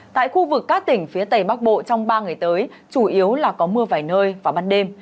tại khu vực các tỉnh phía tây bắc bộ trong ba ngày tới chủ yếu là có mưa vài nơi vào ban đêm